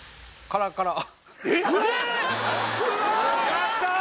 やったー！